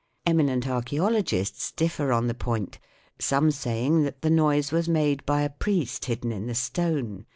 Eminent archaeologists differ on the point, some saying that the noise was made 7 9 8 THE WORLD OF SOUND by a priest hidden in the stone.